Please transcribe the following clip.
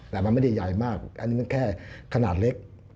แต่มันไม่ได้ใหญ่มากอันนี้มันแค่ขนาดเล็ก